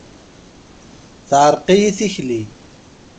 Teɛreq-iyi tikli.